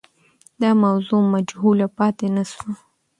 دا موضوع مجهوله پاتې نه سوه.